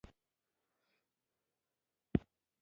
تروريزم پر پښتنو تاوان دی.